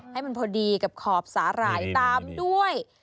ให้มันพอดีกับขอบสาหร่ายตามด้วย